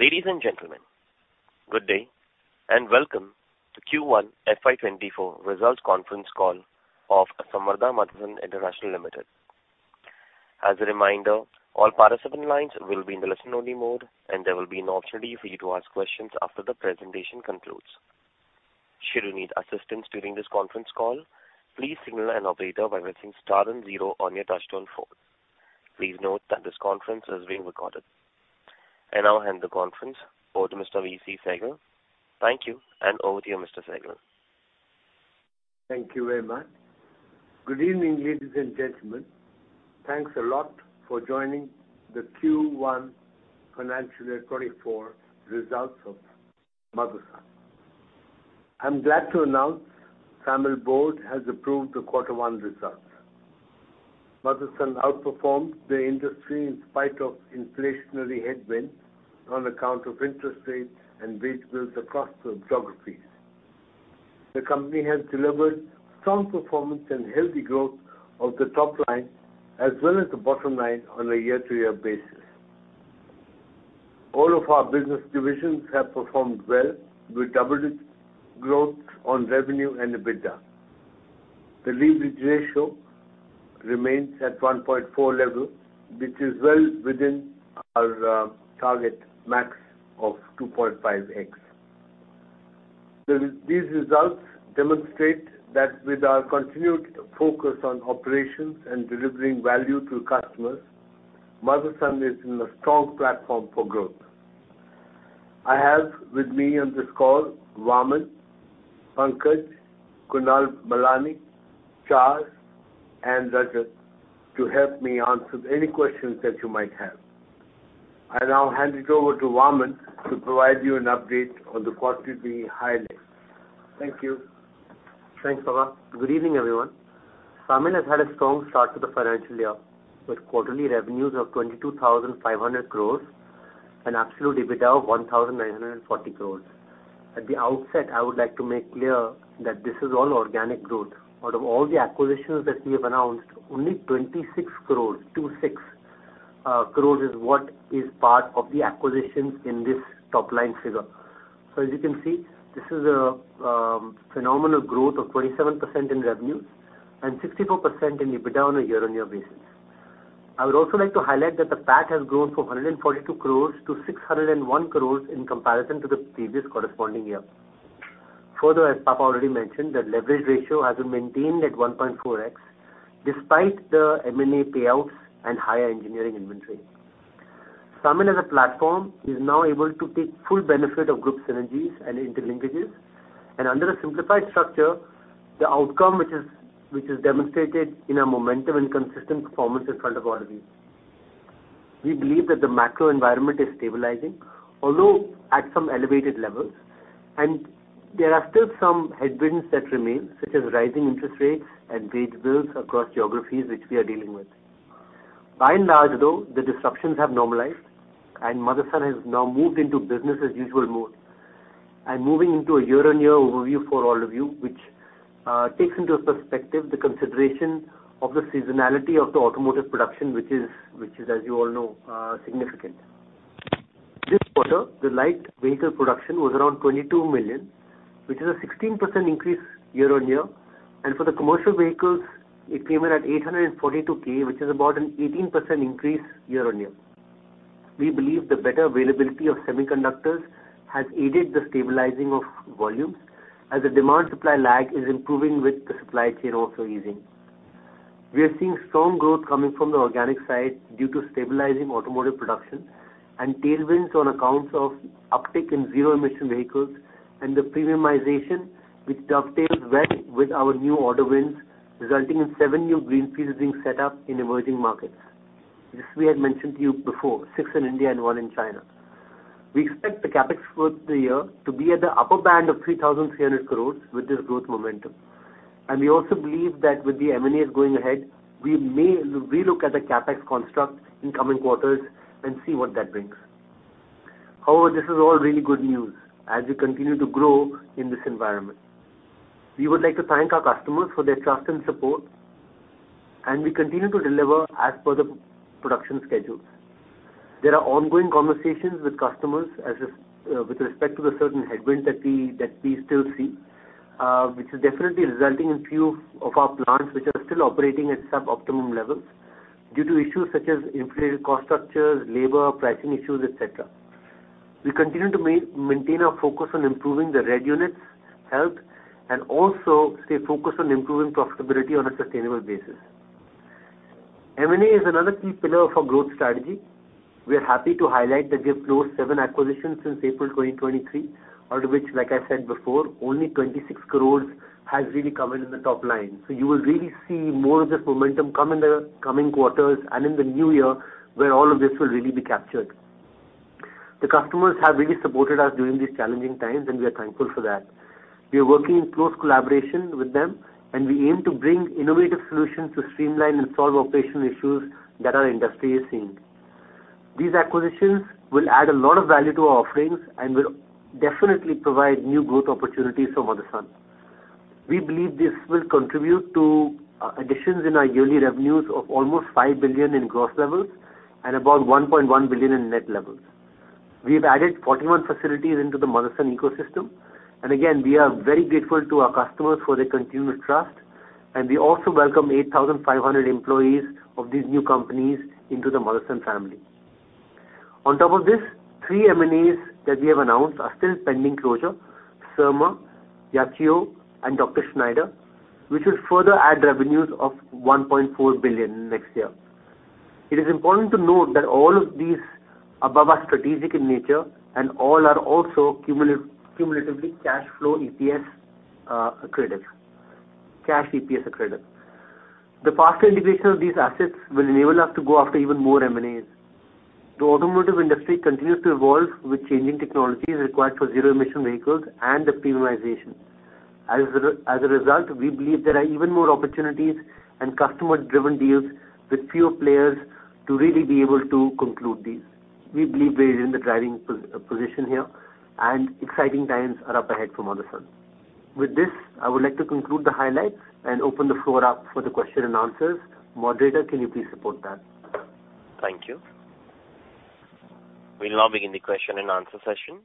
Ladies and gentlemen, good day, welcome to Q1 FY 2024 results conference call of Samvardhana Motherson International Limited. As a reminder, all participant lines will be in the listen-only mode, there will be an opportunity for you to ask questions after the presentation concludes. Should you need assistance during this conference call, please signal an operator by pressing star and zero on your touchtone phone. Please note that this conference is being recorded. I now hand the conference over to Mr. VC Sehgal. Thank you, over to you, Mr. Sehgal. Thank you very much. Good evening, ladies and gentlemen. Thanks a lot for joining the Q1 financial year 2024 results of Motherson. I'm glad to announce Samil board has approved the Q1 results. Motherson outperformed the industry in spite of inflationary headwinds on account of interest rates and wage bills across the geographies. The company has delivered strong performance and healthy growth of the top line, as well as the bottom line on a year-to-year basis. All of our business divisions have performed well, with double-digit growth on revenue and EBITDA. The leverage ratio remains at 1.4 level, which is well within our target max of 2.5x. These results demonstrate that with our continued focus on operations and delivering value to customers, Motherson is in a strong platform for growth. I have with me on this call, Vaaman, Pankaj, Kunal Malani, Charles, and Rajat, to help me answer any questions that you might have. I now hand it over to Vaaman to provide you an update on the quarterly highlights. Thank you. Thanks, Papa. Good evening, everyone. SAMIL has had a strong start to the financial year, with quarterly revenues of 22,500 crore and absolute EBITDA of 1,940 crore. At the outset, I would like to make clear that this is all organic growth. Out of all the acquisitions that we have announced, only 26 crore is what is part of the acquisitions in this top-line figure. As you can see, this is a phenomenal growth of 27% in revenues and 64% in EBITDA on a year-on-year basis. I would also like to highlight that the PAT has grown from 142 crore to 601 crore in comparison to the previous corresponding year. Further, as Papa already mentioned, the leverage ratio has been maintained at 1.4x, despite the M&A payouts and higher engineering inventory. Samil as a platform is now able to take full benefit of group synergies and interlinkages, under a simplified structure, the outcome, which is demonstrated in a momentum and consistent performance is quite a priority. We believe that the macro environment is stabilizing, although at some elevated levels, there are still some headwinds that remain, such as rising interest rates and wage bills across geographies, which we are dealing with. By and large, though, the disruptions have normalized, Motherson has now moved into business as usual mode. I'm moving into a year-on-year overview for all of you, which takes into perspective the consideration of the seasonality of the automotive production, as you all know, significant. This quarter, the light vehicle production was around 22 million, which is a 16% increase year-on-year, and for the commercial vehicles, it came in at 842k, which is about an 18% increase year-on-year. We believe the better availability of semiconductors has aided the stabilizing of volumes, as the demand-supply lag is improving with the supply chain also easing. We are seeing strong growth coming from the organic side due to stabilizing automotive production and tailwinds on accounts of uptick in zero-emission vehicles and the premiumization, which dovetails well with our new order wins, resulting in 7 new greenfields being set up in emerging markets. This we had mentioned to you before, 6 in India and 1 in China. We expect the CapEx for the year to be at the upper band of 3,300 crore with this growth momentum. We also believe that with the M&As going ahead, we may relook at the CapEx construct in coming quarters and see what that brings. However, this is all really good news as we continue to grow in this environment. We would like to thank our customers for their trust and support, and we continue to deliver as per the production schedules. There are ongoing conversations with customers as if with respect to the certain headwinds that we, that we still see, which is definitely resulting in few of our plants, which are still operating at suboptimal levels due to issues such as inflated cost structures, labor, pricing issues, et cetera. We continue to maintain our focus on improving the red units' health and also stay focused on improving profitability on a sustainable basis. M&A is another key pillar of our growth strategy. We are happy to highlight that we have closed seven acquisitions since April 2023, out of which, like I said before, only 26 crore has really come in in the top line. You will really see more of this momentum come in the coming quarters and in the new year, where all of this will really be captured. The customers have really supported us during these challenging times, and we are thankful for that. We are working in close collaboration with them, and we aim to bring innovative solutions to streamline and solve operational issues that our industry is seeing. These acquisitions will add a lot of value to our offerings and will definitely provide new growth opportunities for Motherson. We believe this will contribute to additions in our yearly revenues of almost $5 billion in gross levels and about $1.1 billion in net levels. We've added 41 facilities into the Motherson ecosystem, and again, we are very grateful to our customers for their continued trust, and we also welcome 8,500 employees of these new companies into the Motherson family. On top of this, three M&As that we have announced are still pending closure: Cirma, Yachiyo, and Dr. Schneider, which will further add revenues of $1.4 billion next year. It is important to note that all of these above are strategic in nature, and all are also cumulatively cash flow EPS accretive, cash EPS accretive. The faster integration of these assets will enable us to go after even more M&As. The automotive industry continues to evolve with changing technologies required for zero-emission vehicles and the premiumization. As a result, we believe there are even more opportunities and customer-driven deals with fewer players to really be able to conclude these. We believe we're in the driving position here, and exciting times are up ahead for Motherson. With this, I would like to conclude the highlights and open the floor up for the question and answers. Moderator, can you please support that? Thank you. We'll now begin the question-and-answer session.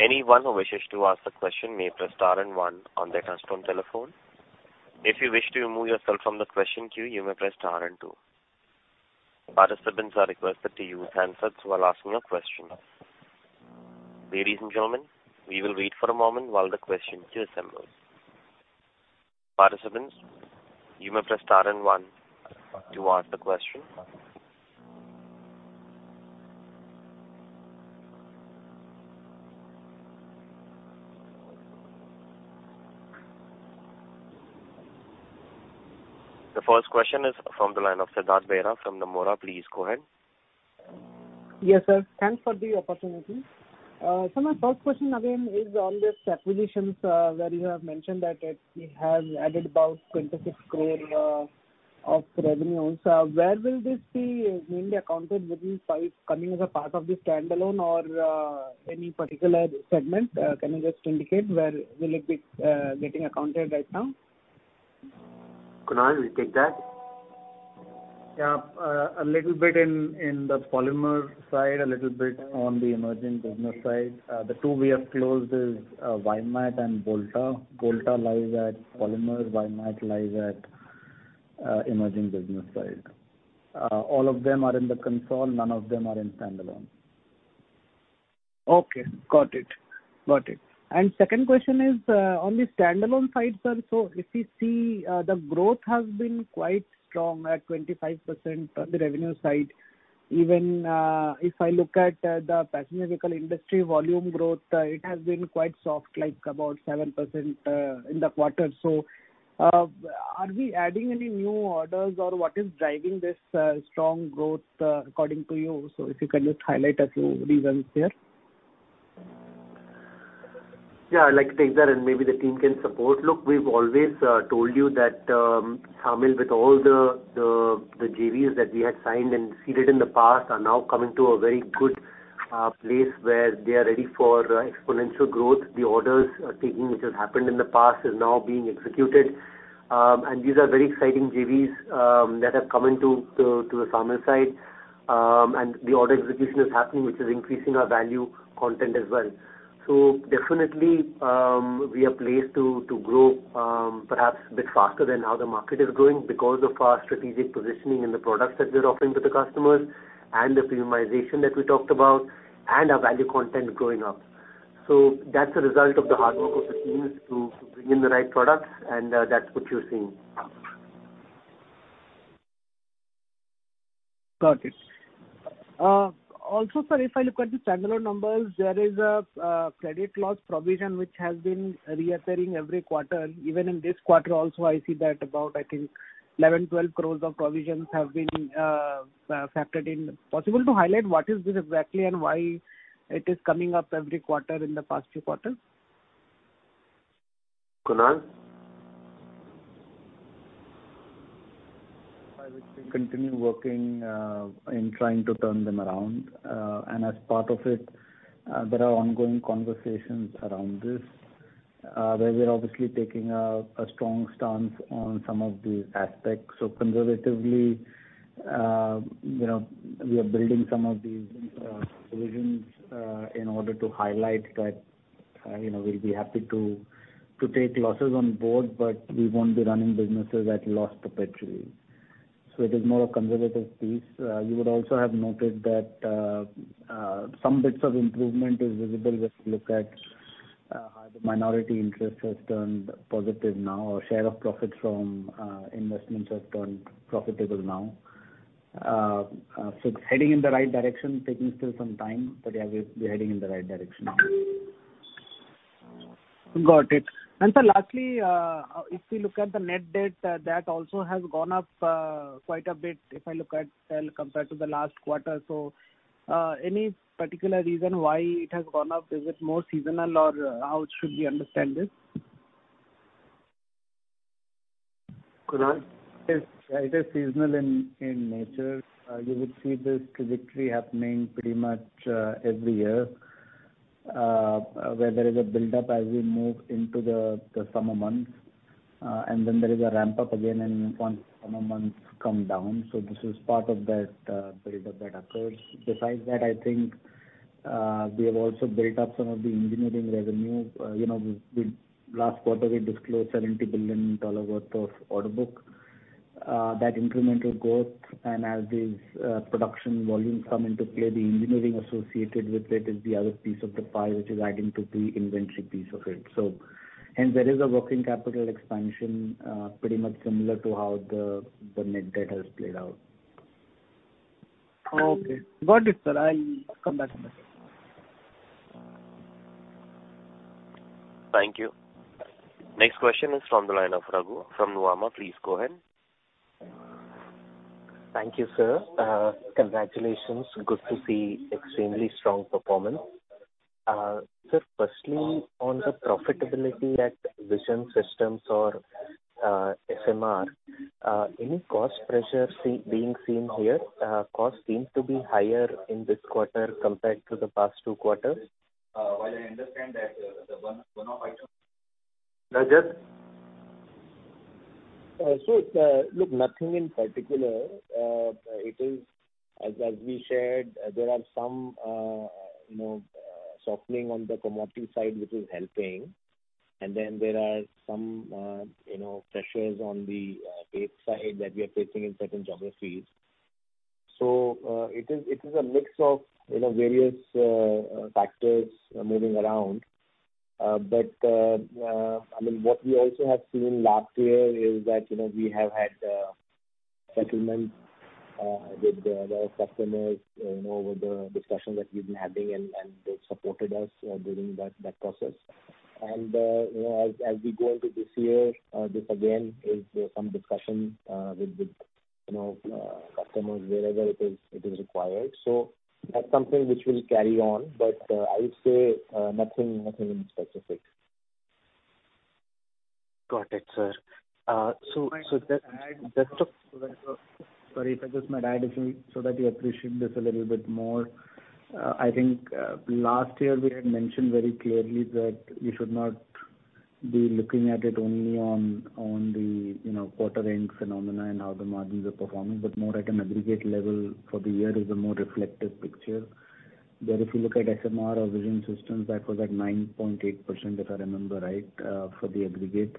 Anyone who wishes to ask a question may press star 1 on their telephone. If you wish to remove yourself from the question queue, you may press star two. Participants are requested to use handsets while asking a question. Ladies and gentlemen, we will wait for a moment while the questions queue assembles. Participants, you may press star 1 to ask the question. The first question is from the line of Siddhartha Bera from Nomura. Please go ahead. Yes, sir. Thanks for the opportunity. My first question again is on this acquisitions where you have mentioned that it has added about 26 crore of revenue. Where will this be mainly accounted? Will this be coming as a part of the standalone or any particular segment? Can you just indicate where will it be getting accounted right now? Kunal, will you take that? Yeah, a little bit in, in the polymer side, a little bit on the emerging business side. The two we have closed is Vimal and Bolta. Bolta lies at polymers, Vimal lies at emerging business side. All of them are in the console, none of them are in standalone. Okay, got it. Got it. Second question is on the standalone side, sir. If you see, the growth has been quite strong at 25% on the revenue side. Even, if I look at, the passenger vehicle industry volume growth, it has been quite soft, like about 7% in the quarter. Are we adding any new orders, or what is driving this strong growth, according to you? If you can just highlight a few reasons here. Yeah, I'd like to take that, and maybe the team can support. Look, we've always told you that with all the JVs that we had signed and seeded in the past are now coming to a very good place where they are ready for exponential growth. The orders are taking, which has happened in the past, is now being executed. These are very exciting JVs that have come into to, to the farmer side. The order execution is happening, which is increasing our value content as well. Definitely, we are placed to grow perhaps a bit faster than how the market is growing because of our strategic positioning in the products that we're offering to the customers and the premiumization that we talked about and our value content going up. That's a result of the hard work of the teams to, to bring in the right products, and, that's what you're seeing. Got it. Also, sir, if I look at the standalone numbers, there is a credit loss provision which has been reoccurring every quarter. Even in this quarter also, I see that about, I think, 11, 12 crore of provisions have been factored in. Possible to highlight what is this exactly and why it is coming up every quarter in the past few quarters? Kunal? I will continue working in trying to turn them around, and as part of it, there are ongoing conversations around this, where we're obviously taking a strong stance on some of these aspects. Conservatively, you know, we are building some of these provisions in order to highlight that, you know, we'll be happy to take losses on board, but we won't be running businesses at loss perpetually. It is more a conservative piece. You would also have noted that some bits of improvement is visible if you look at how the minority interest has turned positive now, or share of profits from investments have turned profitable now. It's heading in the right direction, taking still some time, but, yeah, we're heading in the right direction. Got it. Sir, lastly, if we look at the net debt, that also has gone up, quite a bit, if I look at, compared to the last quarter. Any particular reason why it has gone up? Is it more seasonal, or how should we understand this? ...Kunal? It's, it is seasonal in, in nature. You would see this trajectory happening pretty much every year, where there is a buildup as we move into the summer months, and then there is a ramp up again once summer months come down. This is part of that buildup that occurs. Besides that, I think, we have also built up some of the engineering revenue. You know, we, we last quarter, we disclosed $70 billion worth of order book, that incremental growth. As these production volumes come into play, the engineering associated with it is the other piece of the pie, which is adding to the inventory piece of it, so. There is a working capital expansion, pretty much similar to how the, the net debt has played out. Okay. Got it, sir. I'll come back to that. Thank you. Next question is from the line of Raghu from Nuvama. Please go ahead. Thank you, sir. Congratulations. Good to see extremely strong performance. Sir, firstly, on the profitability at Vision Systems or SMR, any cost pressures being seen here? Costs seem to be higher in this quarter compared to the past 2 quarters. While I understand that, the one, one of item... Rajat? Look, nothing in particular. It is as, as we shared, there are some, you know, softening on the commodity side, which is helping. Then there are some, you know, pressures on the tape side that we are facing in certain geographies. It is, it is a mix of, you know, various factors moving around. I mean, what we also have seen last year is that, you know, we have had settlements with our customers, you know, with the discussions that we've been having and, and they've supported us during that, that process. You know, as, as we go into this year, this again is some discussion with the, you know, customers, wherever it is, it is required. That's something which will carry on. I would say, nothing, nothing specific. Got it, sir. Sorry, if I just might add a few, so that you appreciate this a little bit more. I think last year we had mentioned very clearly that we should not be looking at it only on, on the, you know, quarter end phenomena and how the margins are performing, but more at an aggregate level for the year is a more reflective picture. Where if you look at SMR or Vision Systems, that was at 9.8%, if I remember right, for the aggregate.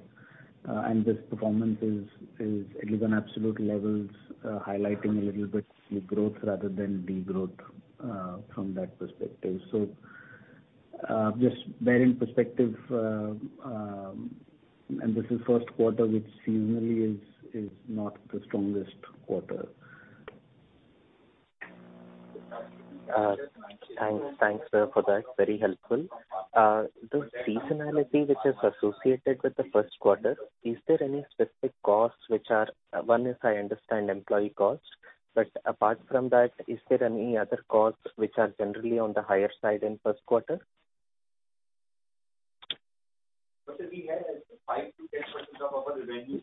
This performance is, is at least on absolute levels, highlighting a little bit the growth rather than degrowth, from that perspective. Just bear in perspective, and this is first quarter, which seasonally is, is not the strongest quarter. Thanks. Thanks, sir, for that. Very helpful. The seasonality which is associated with the first quarter, is there any specific costs which are, one is, I understand, employee costs, but apart from that, is there any other costs which are generally on the higher side in first quarter? We have 5%-10% of our revenue.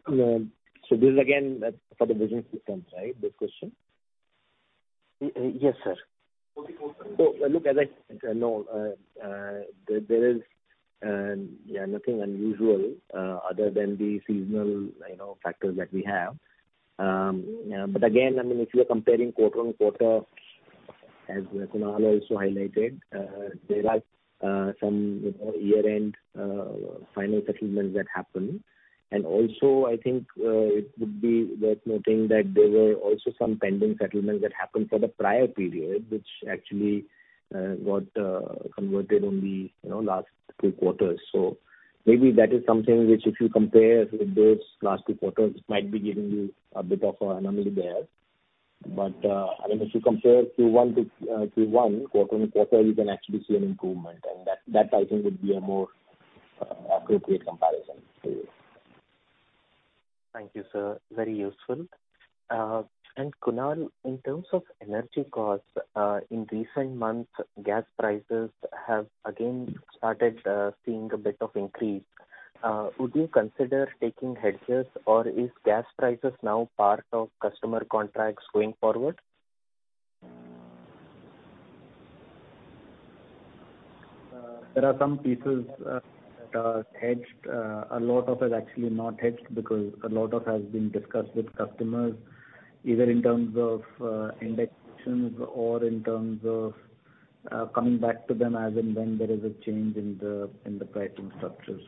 So this is again, for the business systems, right, this question? Yes, sir. Okay, cool. Look, as I know, there, there is, yeah, nothing unusual, other than the seasonal, you know, factors that we have. Again, I mean, if you are comparing quarter-on-quarter, as Kunal also highlighted, there are some, you know, year-end, final settlements that happened. Also, I think, it would be worth noting that there were also some pending settlements that happened for the prior period, which actually got converted in the, you know, last 2 quarters. Maybe that is something which if you compare with those last 2 quarters, might be giving you a bit of an anomaly there. I mean, if you compare Q1 to Q1, quarter-on-quarter, you can actually see an improvement. That, that I think would be a more appropriate comparison to you. Thank you, sir. Very useful. Kunal, in terms of energy costs, in recent months, gas prices have again started seeing a bit of increase. Would you consider taking hedges or is gas prices now part of customer contracts going forward? There are some pieces that are hedged. A lot of it actually not hedged, because a lot of has been discussed with customers, either in terms of indexations or in terms of coming back to them as and when there is a change in the pricing structure.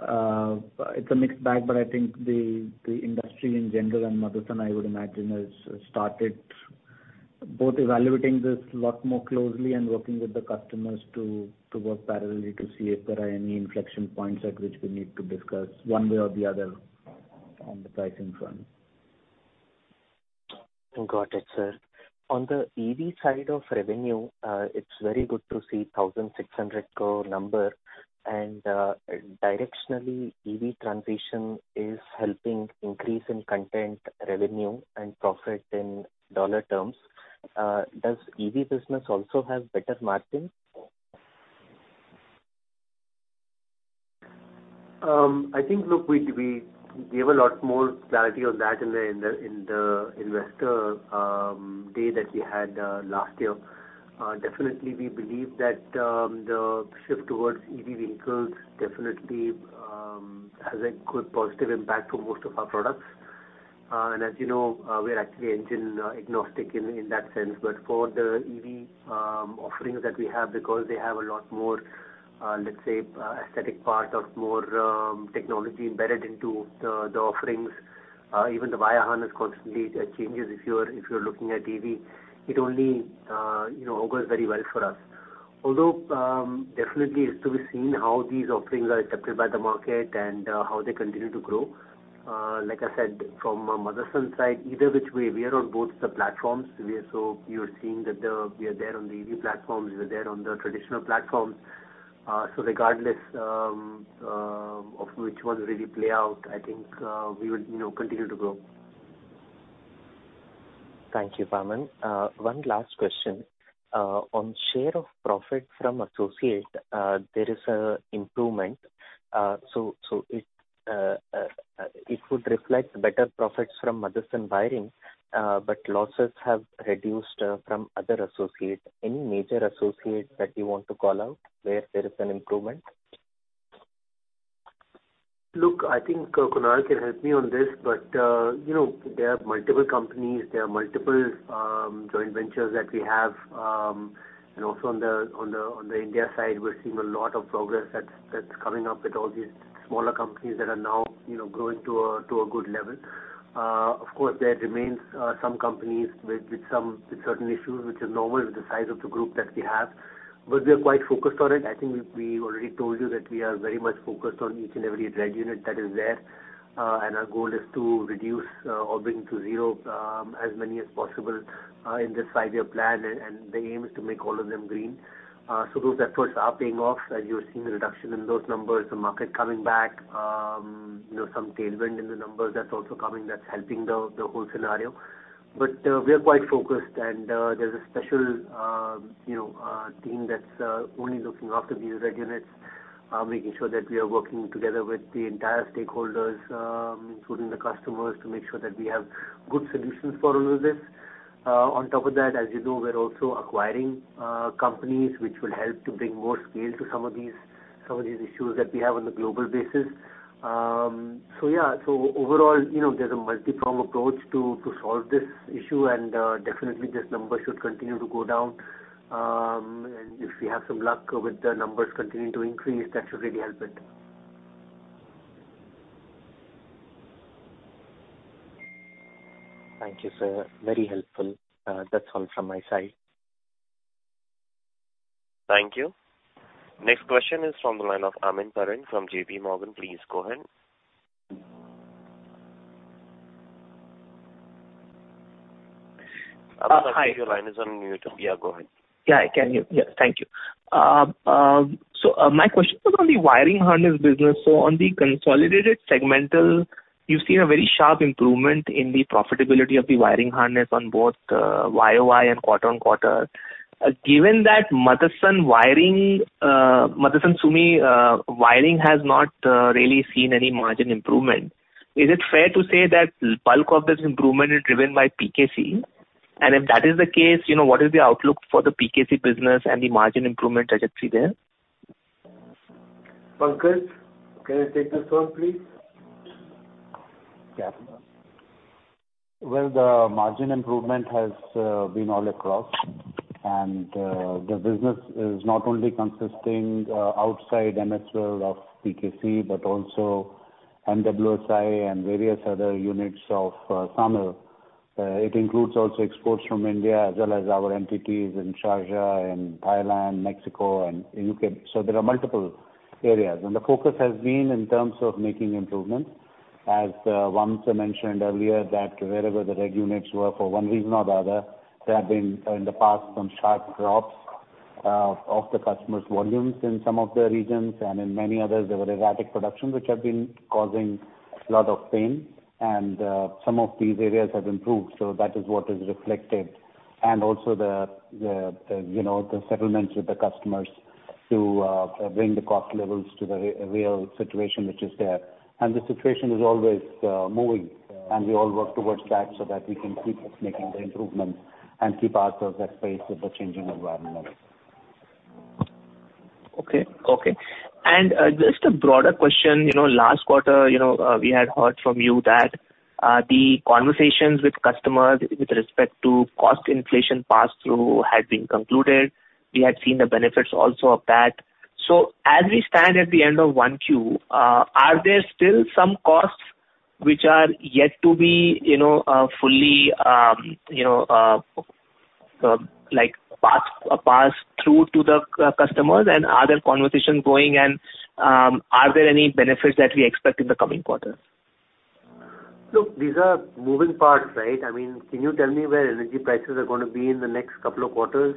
It's a mixed bag, but I think the the industry in general, and Motherson, I would imagine, has started both evaluating this a lot more closely and working with the customers to to work parallelly to see if there are any inflection points at which we need to discuss one way or the other on the pricing front. Got it, sir. On the EV side of revenue, it's very good to see 1,600 crore number. Directionally, EV transition is helping increase in content, revenue and profit in dollar terms. Does EV business also have better margins? ...I think, look, we, we gave a lot more clarity on that in the, in the, in the investor day that we had last year. Definitely, we believe that the shift towards EV vehicles definitely has a good positive impact for most of our products. As you know, we are actually engine agnostic in that sense. For the EV offerings that we have, because they have a lot more, let's say, aesthetic part of more technology embedded into the offerings, even the wiring harness constantly changes if you're, if you're looking at EV, it only, you know, augurs very well for us. Although, definitely is to be seen how these offerings are accepted by the market and how they continue to grow. Like I said, from a Motherson side, either which way, we are on both the platforms. We are so-- you're seeing that the, we are there on the EV platforms, we're there on the traditional platforms. So regardless, of which one really play out, I think, we would, you know, continue to grow. Thank you, Vaaman Sehgal. One last question. On share of profit from associate, there is an improvement. It would reflect better profits from Motherson wiring, but losses have reduced from other associates. Any major associates that you want to call out, where there is an improvement? Look, I think, Kunal can help me on this, but, you know, there are multiple companies, there are multiple joint ventures that we have. Also on the, on the, on the India side, we're seeing a lot of progress that's, that's coming up with all these smaller companies that are now, you know, growing to a, to a good level. Of course, there remains some companies with, with some, with certain issues, which is normal with the size of the group that we have. We are quite focused on it. I think we already told you that we are very much focused on each and every red unit that is there. Our goal is to reduce, or bring to zero, as many as possible, in this five-year plan, and the aim is to make all of them green. Those efforts are paying off, and you're seeing a reduction in those numbers, the market coming back, you know, some tailwind in the numbers that's also coming, that's helping the whole scenario. We are quite focused, and there's a special, you know, team that's only looking after these thermoregulating units, making sure that we are working together with the entire stakeholders, including the customers, to make sure that we have good solutions for all of this. On top of that, as you know, we're also acquiring companies which will help to bring more scale to some of these, some of these issues that we have on a global basis. Yeah, so overall, you know, there's a multiprong approach to solve this issue, and definitely this number should continue to go down. If we have some luck with the numbers continuing to increase, that should really help it. Thank you, sir. Very helpful. That's all from my side. Thank you. Next question is from the line of Ashwin Parekh from JPMorgan. Please go ahead. Hi. Your line is on mute. Yeah, go ahead. Yeah, I can hear. Yeah, thank you. My question is on the wiring harness business. On the consolidated segmental, you've seen a very sharp improvement in the profitability of the wiring harness on both year-over-year and quarter-on-quarter. Given that Motherson wiring, Motherson Sumi Wiring has not really seen any margin improvement, is it fair to say that bulk of this improvement is driven by PKC? If that is the case, you know, what is the outlook for the PKC business and the margin improvement trajectory there? Pankaj, can you take this one, please? Yeah. Well, the margin improvement has been all across. The business is not only consisting outside MSL of PKC, but also MWSI and various other units of Sumi. It includes also exports from India, as well as our entities in Sharjah, in Thailand, Mexico and UK. There are multiple areas, and the focus has been in terms of making improvements. As Vaaman Sehgal mentioned earlier, that wherever the red units were for one reason or the other, there have been in the past, some sharp drops of the customers' volumes in some of the regions, and in many others, there were erratic production, which have been causing a lot of pain, and some of these areas have improved. That is what is reflected. Also the, the, the, you know, the settlements with the customers to bring the cost levels to the real situation, which is there. The situation is always moving, and we all work towards that so that we can keep making the improvements and keep ourselves at pace with the changing environment. Okay, okay. Just a broader question. You know, last quarter, you know, we had heard from you that the conversations with customers with respect to cost inflation pass-through had been concluded. We had seen the benefits also of that. As we stand at the end of one Q, are there still some costs which are yet to be, you know, fully, you know, like, pass, pass through to the customers? Are there conversations going, and are there any benefits that we expect in the coming quarters? Look, these are moving parts, right? I mean, can you tell me where energy prices are gonna be in the next couple of quarters?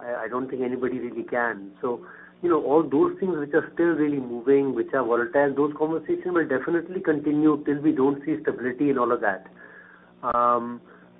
I, I don't think anybody really can. You know, all those things which are still really moving, which are volatile, those conversations will definitely continue till we don't see stability in all of that.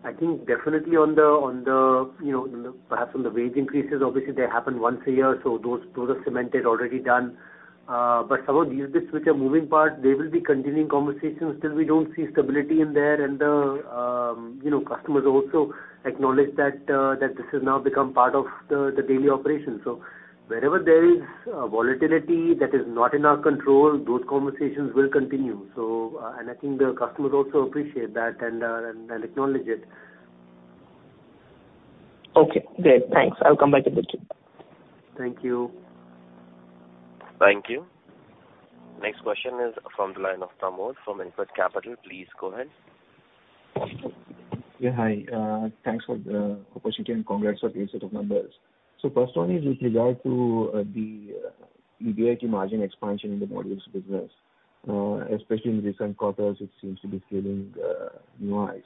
I think definitely on the, on the, you know, perhaps on the wage increases, obviously, they happen once a year, so those, those are cemented, already done. Some of these bits which are moving parts, there will be continuing conversations till we don't see stability in there, and the, you know, customers also acknowledge that, that this has now become part of the, the daily operations. Wherever there is, volatility that is not in our control, those conversations will continue. I think the customers also appreciate that and, and, and acknowledge it. Okay, great. Thanks. I'll come back if needed. Thank you. Thank you. Next question is from the line of Mayur from IIFL Capital. Please go ahead. Yeah, hi. Thanks for the opportunity, and congrats on these set of numbers. First one is with regard to the EBIT margin expansion in the modules business, especially in recent quarters, it seems to be scaling new highs.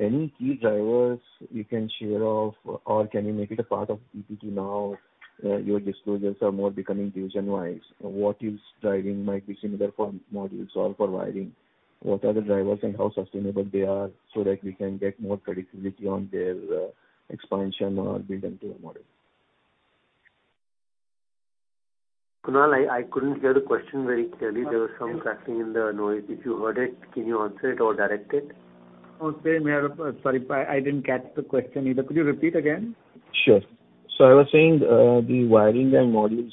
Any key drivers you can share of, or can you make it a part of PBT now? Your disclosures are more becoming division-wise. What is driving might be similar for modules or for wiring. What are the drivers and how sustainable they are, so that we can get more predictability on their expansion or build into your model? Kunal, I, I couldn't hear the question very clearly. There was some cracking in the noise. If you heard it, can you answer it or direct it? Okay, Mayur, sorry, I, I didn't catch the question either. Could you repeat again? Sure. I was saying, the wiring and modules,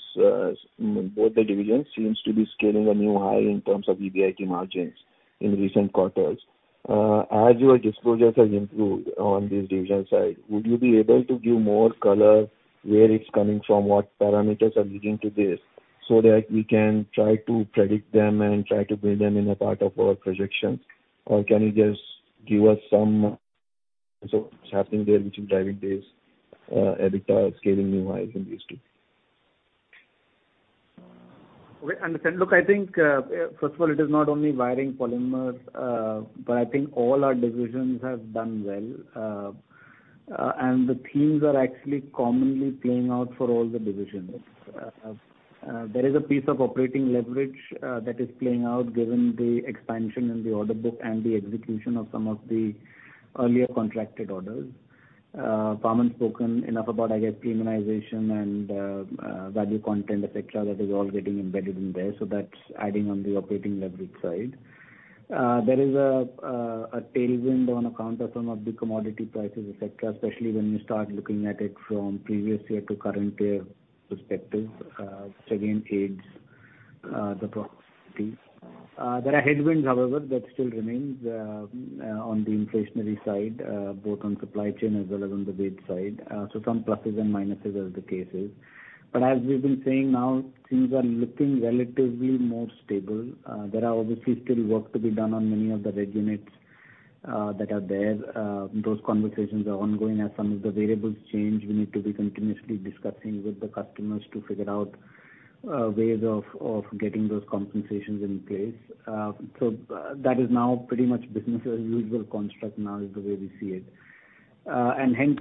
both the divisions seems to be scaling a new high in terms of EBIT margins in recent quarters. As your disclosures have improved on this division side, would you be able to give more color, where it's coming from, what parameters are leading to this, so that we can try to predict them and try to build them in a part of our projections? Can you just give us, so what's happening there, which is driving this EBITDA scaling new highs in these two? Okay, understood. Look, I think, first of all, it is not only wiring polymers, but I think all our divisions have done well. The themes are actually commonly playing out for all the divisions. There is a piece of operating leverage that is playing out, given the expansion in the order book and the execution of some of the earlier contracted orders. Vaaman Sehgal spoken enough about, I guess, premiumization and value content, et cetera, that is all getting embedded in there, so that's adding on the operating leverage side. There is a tailwind on account of some of the commodity prices, et cetera, especially when you start looking at it from previous year to current year perspective, which again aids the profitability. There are headwinds, however, that still remains on the inflationary side, both on supply chain as well as on the wage side. So some pluses and minuses as the case is. But as we've been saying now, things are looking relatively more stable. There are obviously still work to be done on many of the red units that are there. Those conversations are ongoing. As some of the variables change, we need to be continuously discussing with the customers to figure out ways of getting those compensations in place. So that is now pretty much business as usual construct now is the way we see it. And hence,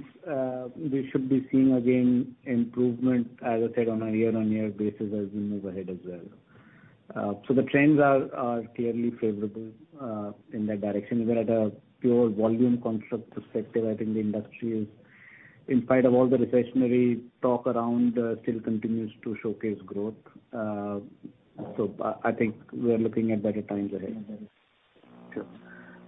we should be seeing, again, improvement, as I said, on a year-on-year basis as we move ahead as well. The trends are, are clearly favorable in that direction. Even at a pure volume construct perspective, I think the industry is, in spite of all the recessionary talk around, still continues to showcase growth. I, I think we are looking at better times ahead. Sure.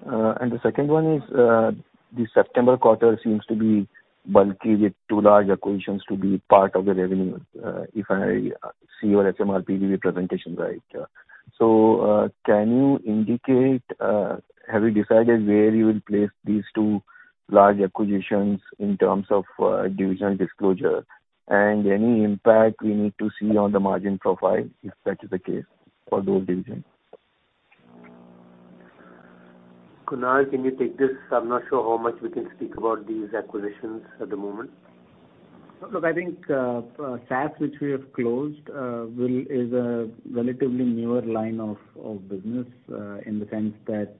The second one is, the September quarter seems to be bulky, with two large acquisitions to be part of the revenue, if I see your SMRP presentation right. Can you indicate... Have you decided where you will place these two large acquisitions in terms of divisional disclosure? Any impact we need to see on the margin profile, if that is the case for those divisions? Kunal, can you take this? I'm not sure how much we can speak about these acquisitions at the moment. Look, I think SAS, which we have closed, is a relatively newer line of business, in the sense that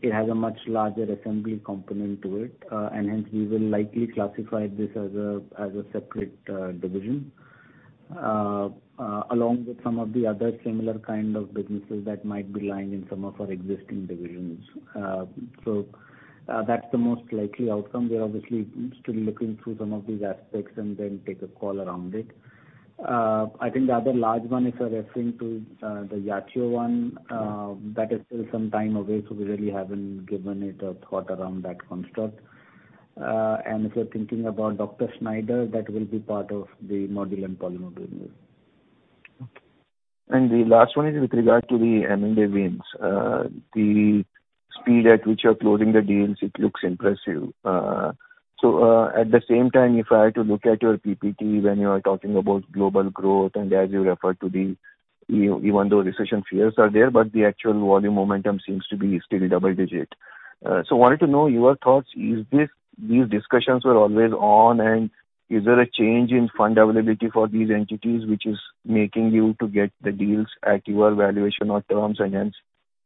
it has a much larger assembly component to it, and hence we will likely classify this as a, as a separate division, along with some of the other similar kind of businesses that might be lying in some of our existing divisions. That's the most likely outcome. We're obviously still looking through some of these aspects and then take a call around it. I think the other large one, if you're referring to the Yachiyo one, that is still some time away, we really haven't given it a thought around that construct. If you're thinking about Dr. Schneider, that will be part of the module and polymer business. The last one is with regard to the M&A wins. The speed at which you're closing the deals, it looks impressive. At the same time, if I had to look at your PPT, when you are talking about global growth, and as you refer to the, you know, even though recession fears are there, but the actual volume momentum seems to be still double digit. Wanted to know your thoughts. These discussions were always on, and is there a change in fund availability for these entities, which is making you to get the deals at your valuation or terms, and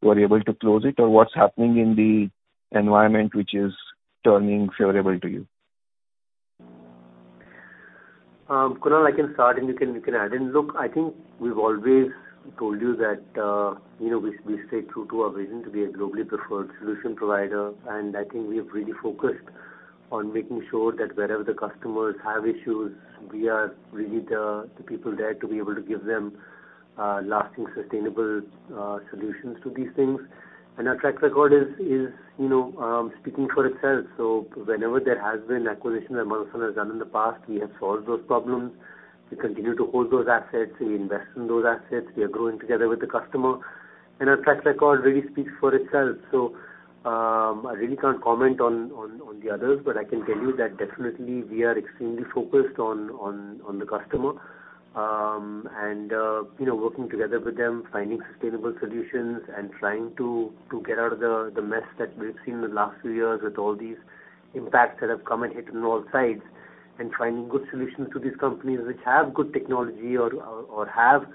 hence you are able to close it? What's happening in the environment which is turning favorable to you?... Kunal, I can start and you can, you can add in. Look, I think we've always told you that, you know, we, we stay true to our vision to be a globally preferred solution provider, and I think we have really focused on making sure that wherever the customers have issues, we are really the, the people there to be able to give them lasting, sustainable solutions to these things. Our track record is, is, you know, speaking for itself. Whenever there has been acquisition that Motherson has done in the past, we have solved those problems. We continue to hold those assets, we invest in those assets, we are growing together with the customer, and our track record really speaks for itself. I really can't comment on, on, on the others, but I can tell you that definitely we are extremely focused on, on, on the customer. You know, working together with them, finding sustainable solutions and trying to, to get out of the, the mess that we've seen in the last few years with all these impacts that have come and hit on all sides, and finding good solutions to these companies which have good technology or, or, or have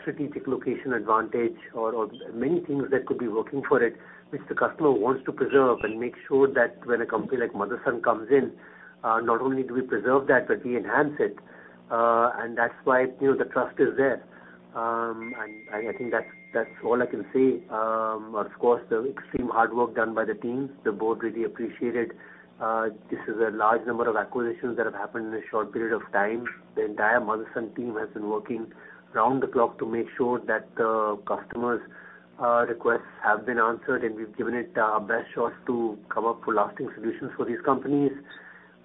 strategic location advantage or, or many things that could be working for it, which the customer wants to preserve and make sure that when a company like Motherson comes in, not only do we preserve that, but we enhance it. That's why, you know, the trust is there. I, I think that's, that's all I can say. reme hard work done by the teams, the board really appreciated. This is a large number of acquisitions that have happened in a short period of time. The entire Motherson team has been working round the clock to make sure that the customers' requests have been answered, and we've given it our best shots to come up with lasting solutions for these companies.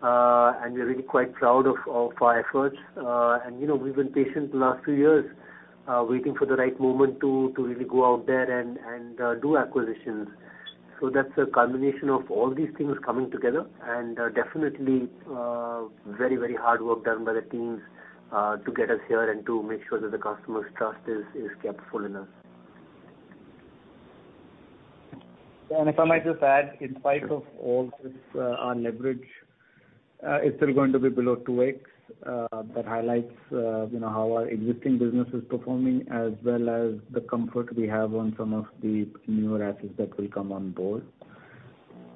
And we're really quite proud of our efforts. And, you know, we've been patient the last few years, waiting for the right moment to really go out there and do acquisitions. So that's a combination of all these things coming together, and definitely very, very hard work done by the teams to get us here and to make sure that the customers' trust is kept full in us If I might just add, in spite of all this, our leverage is still going to be below 2x. That highlights, you know, how our existing business is performing, as well as the comfort we have on some of the newer assets that will come on board.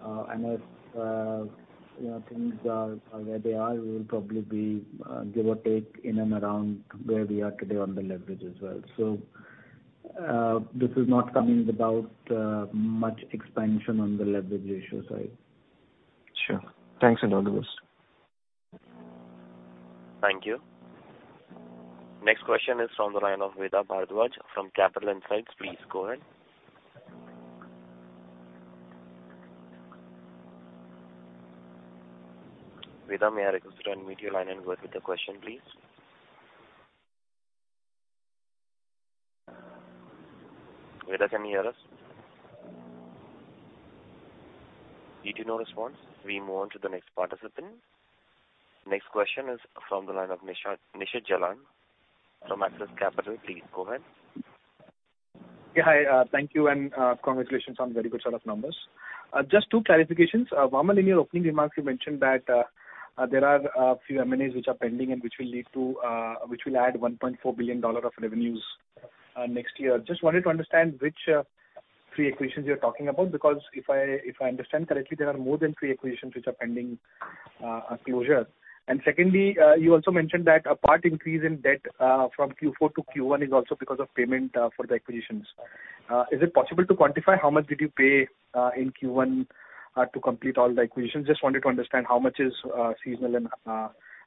And as, you know, things are where they are, we will probably be, give or take in and around where we are today on the leverage as well. This is not coming without much expansion on the leverage ratio side. Sure. Thanks, Mayur. Thank you. Next question is from the line of Vedha Bhardwaj from Capital Insights. Please go ahead. Veda, may I request you to unmute your line and go with the question, please? Veda, can you hear us? Due to no response, we move on to the next participant. Next question is from the line of Nishit Jalan from Axis Capital. Please go ahead. Yeah, hi, thank you. Congratulations on very good set of numbers. Just two clarifications. Vaaman Sehgal, in your opening remarks, you mentioned that there are a few M&As which are pending and which will lead to, which will add $1.4 billion of revenues next year. Just wanted to understand which three acquisitions you're talking about? If I understand correctly, there are more than three acquisitions which are pending closure. Secondly, you also mentioned that a part increase in debt from Q4 to Q1 is also because of payment for the acquisitions. Is it possible to quantify how much did you pay in Q1 to complete all the acquisitions? Just wanted to understand how much is seasonal and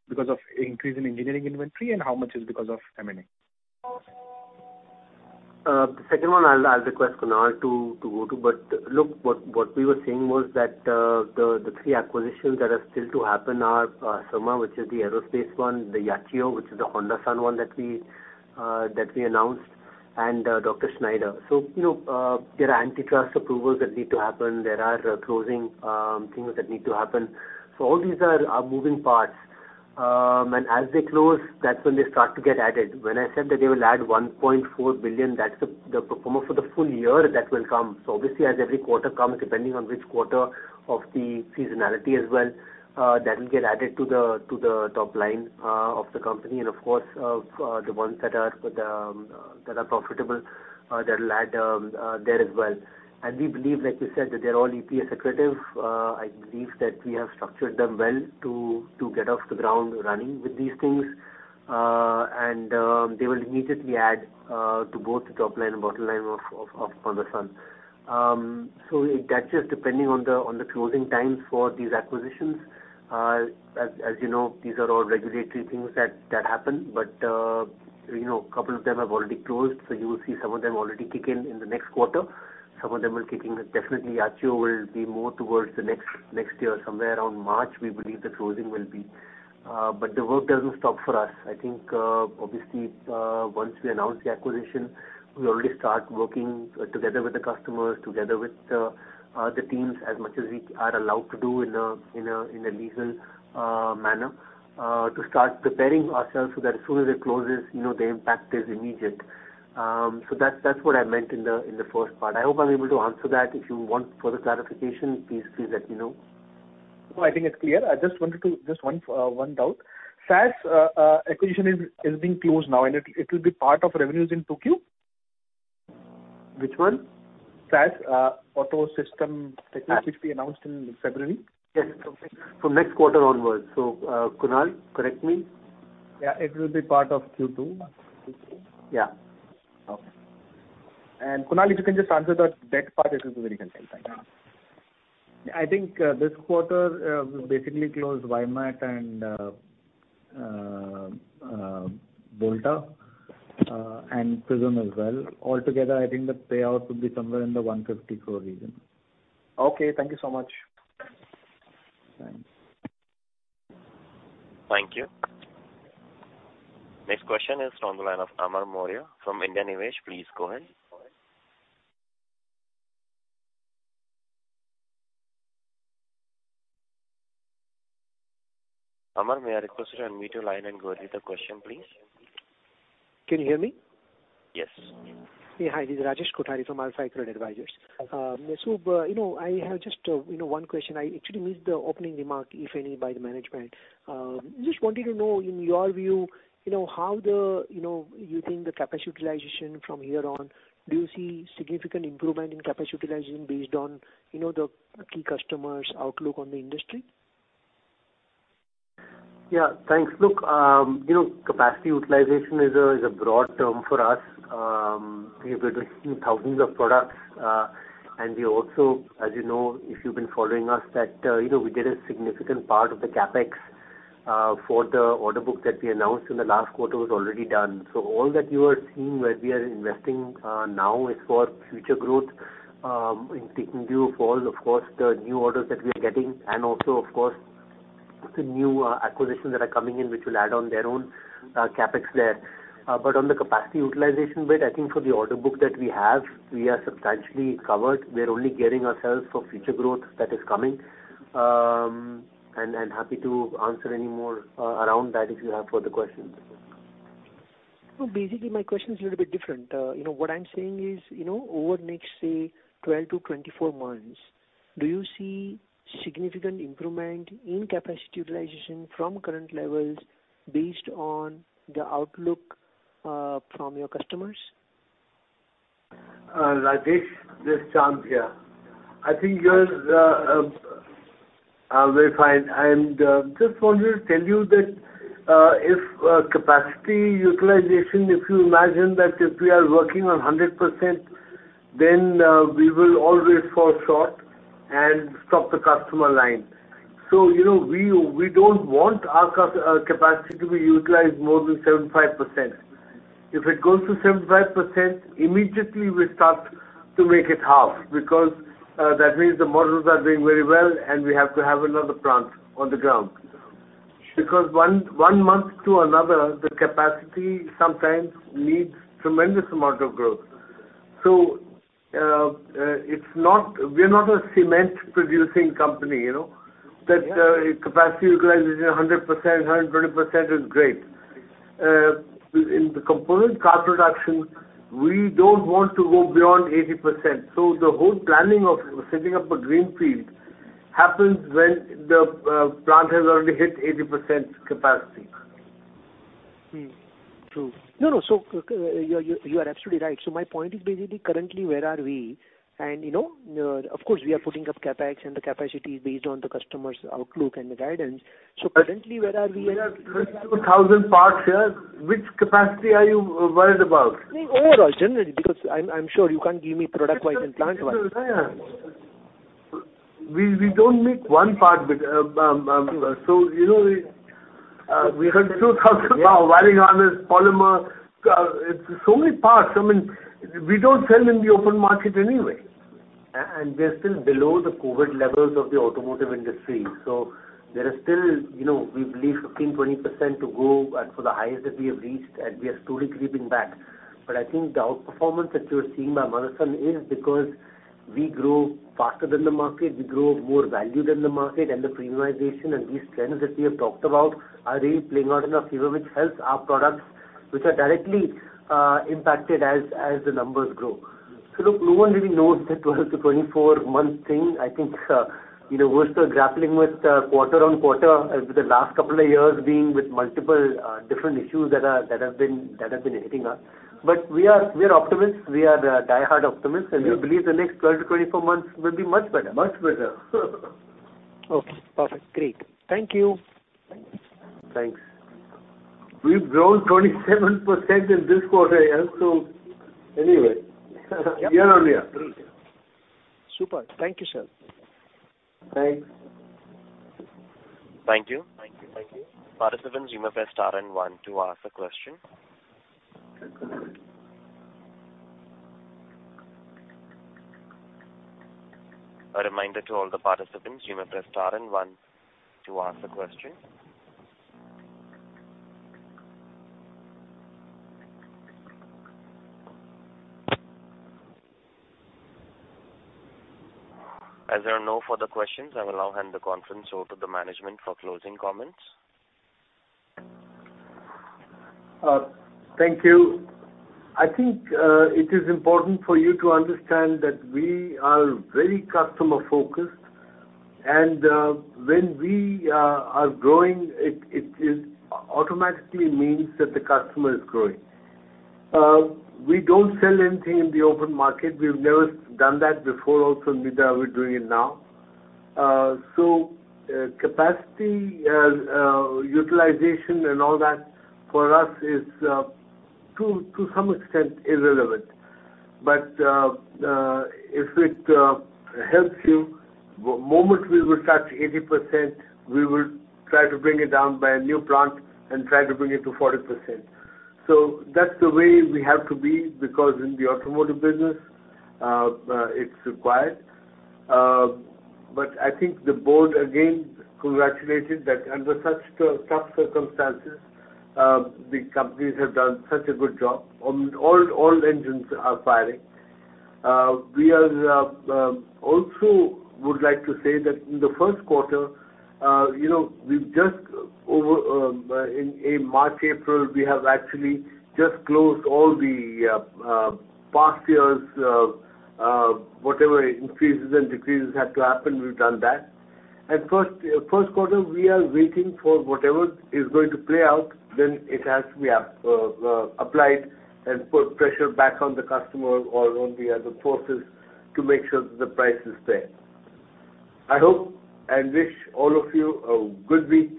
because of increase in engineering inventory, and how much is because of M&A? The second one, I'll, I'll request Kunal to, to go to. What, what we were saying was that the three acquisitions that are still to happen are Somaa, which is the aerospace one, the Yachiyo, which is the Honda's one one that we that we announced, and Dr. Schneider. You know, there are antitrust approvals that need to happen. There are closing things that need to happen. All these are, are moving parts. As they close, that's when they start to get added. When I said that they will add $1.4 billion, that's the performer for the full year that will come. Obviously, as every quarter comes, depending on which quarter of the seasonality as well, that will get added to the top line of the company. Of course, the ones that are, that are profitable, that will add there as well. We believe, like you said, that they're all EPS accretive. I believe that we have structured them well to, to get off the ground running with these things. They will immediately add to both the top line and bottom line of, of, of Motherson. That's just depending on the, on the closing times for these acquisitions. As you know, these are all regulatory things that, that happen, you know, a couple of them have already closed, so you will see some of them already kick in in the next quarter. Some of them are kicking... Definitely, Yachiyo will be more towards the next, next year. Somewhere around March, we believe the closing will be. The work doesn't stop for us. I think, obviously, once we announce the acquisition, we already start working together with the customers, together with the teams, as much as we are allowed to do in a, in a, in a legal manner, to start preparing ourselves so that as soon as it closes, you know, the impact is immediate. That's, that's what I meant in the first part. I hope I'm able to answer that. If you want further clarification, please, please let me know. No, I think it's clear. I just wanted to. Just one, one doubt. SAS acquisition is being closed now, and it will be part of revenues in 2Q? Which one? SAS Autosystemtechnik, which we announced in February. Yes. Next quarter onwards. Kunal, correct me? Yeah, it will be part of Q2. Yeah. Okay. Kunal, if you can just answer the debt part, it will be very helpful. Thank you. I think, this quarter, we basically closed Vimat and Bolta and Prysm as well. Altogether, I think the payout would be somewhere in the 150 crore region. Okay, thank you so much. Thanks. Thank you. Next question is from the line of Rajesh Kothari from IndiaNivesh. Please go ahead. Amar, may I request you to unmute your line and go with the question, please? Can you hear me? Yes. Yeah. Hi, this is Rajesh Kothari from Alfaccurate Advisors. You know, I have just, you know, one question. I actually missed the opening remark, if any, by the management. Just wanted to know, in your view, you know, how the you know, you think the capacity utilization from here on, do you see significant improvement in capacity utilization based on, you know, the key customers' outlook on the industry? Yeah, thanks. Look, you know, capacity utilization is a broad term for us. We've got thousands of products, and we also, as you know, if you've been following us, that, you know, we did a significant part of the CapEx for the order book that we announced in the last quarter was already done. All that you are seeing, where we are investing, now is for future growth, in taking view of all, of course, the new orders that we are getting, and also, of course, the new acquisitions that are coming in, which will add on their own CapEx there. On the capacity utilization bit, I think for the order book that we have, we are substantially covered. We are only gearing ourselves for future growth that is coming. And happy to answer any more around that if you have further questions. Basically, my question is a little bit different. You know, what I'm saying is, you know, over the next, say, 12-24 months, do you see significant improvement in capacity utilization from current levels based on the outlook, from your customers? Rajesh, this is Chairman here. I think you're very fine. Just wanted to tell you that if capacity utilization, if you imagine that if we are working on 100%, then we will always fall short and stop the customer line. You know, we don't want our capacity to be utilized more than 75%. If it goes to 75%, immediately we start to make it half, because that means the models are doing very well, and we have to have another plant on the ground. One, one month to another, the capacity sometimes needs tremendous amount of growth. We're not a cement producing company, you know? Yeah. That, capacity utilization is 100%, 120% is great. In the component car production, we don't want to go beyond 80%. The whole planning of setting up a green field happens when the plant has already hit 80% capacity. Hmm. True. No, no, you are, you are absolutely right. My point is basically, currently, where are we? You know, of course, we are putting up CapEx, and the capacity is based on the customer's outlook and the guidance. Currently, where are we? We are close to 1,000 parts here. Which capacity are you worried about? Overall, generally, because I'm, I'm sure you can't give me product wise and plant wise. We, we don't make one part, but, you know, we have 2,000 wiring harness, polymer, so many parts. I mean, we don't sell in the open market anyway. We are still below the COVID levels of the automotive industry. There is still, you know, we believe 15%-20% to go for the highest that we have reached, and we are slowly creeping back. I think the outperformance that you're seeing by Motherson is because we grow faster than the market, we grow more value than the market, and the premiumization and these trends that we have talked about are really playing out in our favor, which helps our products, which are directly impacted as, as the numbers grow. Look, no one really knows the 12-24 month thing. I think, you know, we're still grappling with quarter-on-quarter, the last couple of years being with multiple different issues that are, that have been, that have been hitting us. We are, we are optimists. We are diehard optimists. We believe the next 12-24 months will be much better. Much better. Okay, perfect. Great. Thank you. Thanks. We've grown 27% in this quarter also, anyway. Year-over-year. Super. Thank you, sir. Thanks. Thank you. Participants, you may press star and one to ask a question. A reminder to all the participants, you may press star and one to ask a question. As there are no further questions, I will now hand the conference over to the management for closing comments. Thank you. I think it is important for you to understand that we are very customer-focused, and when we are growing, it, it, it automatically means that the customer is growing. We don't sell anything in the open market. We've never done that before, also, neither are we doing it now. Capacity utilization and all that for us is to some extent irrelevant. If it helps you, moment we will touch 80%, we will try to bring it down by a new plant and try to bring it to 40%. That's the way we have to be, because in the automotive business, it's required. I think the board again congratulated that under such tough circumstances, the companies have done such a good job. All, all engines are firing. We are also would like to say that in the first quarter, you know, we've just over in March, April, we have actually just closed all the past year's whatever increases and decreases had to happen, we've done that. First, first quarter, we are waiting for whatever is going to play out, then it has to be applied and put pressure back on the customer or on the other forces to make sure the price is there. I hope and wish all of you a good week,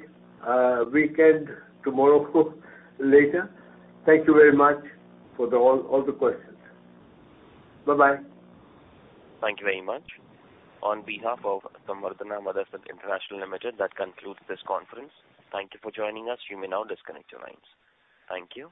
weekend, tomorrow later. Thank you very much for the all, all the questions. Bye-bye. Thank you very much. On behalf of the Motherson International Limited, that concludes this conference. Thank you for joining us. You may now disconnect your lines. Thank you.